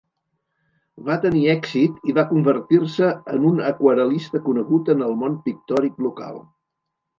Va tenir èxit i va convertir-se en un aquarel·lista conegut en el món pictòric local.